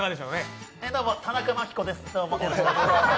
どうも、田中真紀子です。